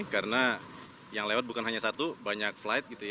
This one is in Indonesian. karena yang lewat bukan hanya satu banyak flight